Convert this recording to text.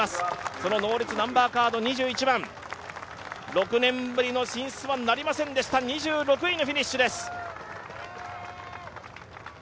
そのノーリツ、２１番は６年ぶりの進出はなりませんでした２６位のフィニッシュです。